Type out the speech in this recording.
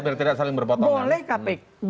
biar tidak saling berpotongan